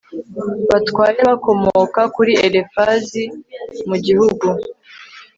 batware bakomoka kuri Elifazi mu gihugu